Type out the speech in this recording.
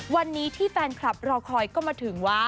วันนี้ที่แฟนคลับรอคอยก็มาถึงว่า